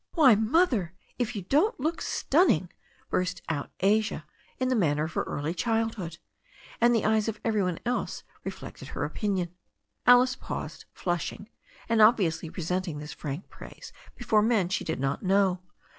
"Why, Mother, if you don't look stunning !" burst out Asia, in the 'manner of her early childhood. And the eyes of every one else reflected her opinion. Alice paused, flushing, and obviously resenting this frank praise before men she did not know.